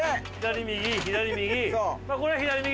左右左右。